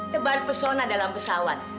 tebar pesona dalam pesawat